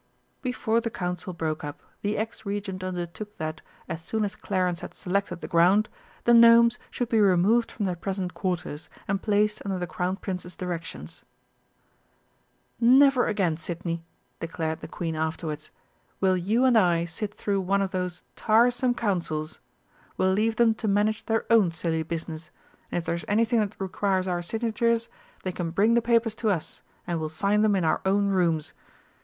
Before the Council broke up, the ex Regent undertook that, as soon as Clarence had selected the ground, the Gnomes should be removed from their present quarters, and placed under the Crown Prince's directions. "Never again, Sidney," declared the Queen afterwards, "will you and I sit through one of those tiresome councils! We'll leave them to manage their own silly business, and if there's anything that requires our signatures, they can bring the papers to us, and we'll sign them in our own rooms.